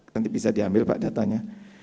nanti bisa diambil pak datanya